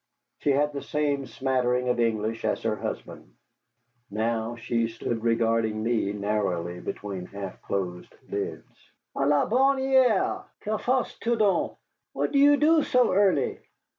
She had the same smattering of English as her husband. Now she stood regarding me narrowly between half closed lids. "A la bonne heure! Que fais tu donc? What do you do so early?"